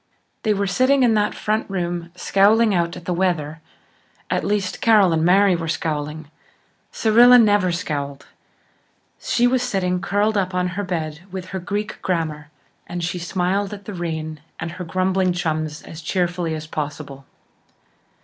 They were sitting in that front room, scowling out at the weather. At least, Carol and Mary were scowling. Cyrilla never scowled; she was sitting curled up on her bed with her Greek grammar, and she smiled at the rain and her grumbling chums as cheerfully as possible.